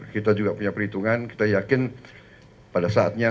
kita juga punya perhitungan kita yakin pada saatnya